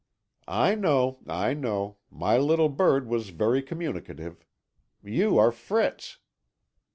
"I know, I know; my little bird was very communicative. You are Fritz."